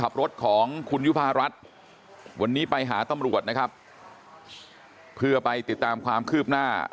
ขับรถของคุณยุภารัฐวันนี้ไปหาตำรวจนะครับเพื่อไปติดตามความคืบหน้า